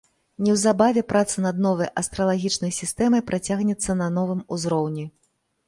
Неўзабаве праца над новай астралагічнай сістэмай працягнецца на новым узроўні.